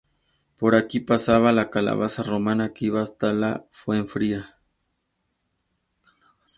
Por aquí pasaba la calzada romana que iba hasta la Fuenfría.